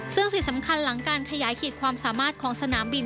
ซึ่งสิ่งสำคัญหลังการขยายขีดความสามารถของสนามบิน